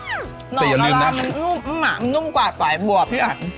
นอกะลามันนุ่มน่ะมันนุ่มกว่าสวายบัวพี่อัน